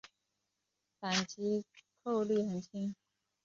扳机扣力很轻。